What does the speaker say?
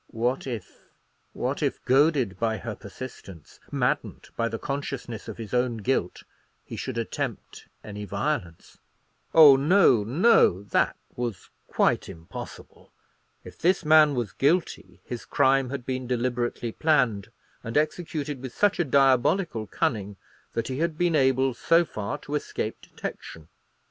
What if—what if, goaded by her persistence, maddened by the consciousness of his own guilt, he should attempt any violence. Oh, no, no; that was quite impossible. If this man was guilty, his crime had been deliberately planned, and executed with such a diabolical cunning, that he had been able so far to escape detection.